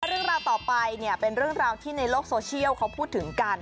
เรื่องราวต่อไปเนี่ยเป็นเรื่องราวที่ในโลกโซเชียลเขาพูดถึงกัน